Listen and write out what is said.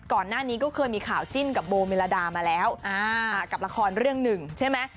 ก่อนหน้านี้ก็เคยมีข่าวจิ้นกับโบเมลดามาแล้วกับละครเรื่องหนึ่งใช่ไหม